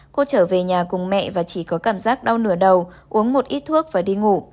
cô trở về nhà cùng mẹ và chỉ có cảm giác đau nửa đầu uống một ít thuốc và đi ngủ